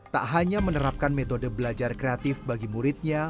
tak hanya menerapkan metode belajar kreatif bagi muridnya